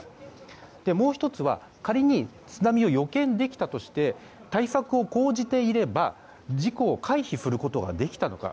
もう１つは仮に津波を予見できたとして対策を講じていれば、事故を回避することができたのか。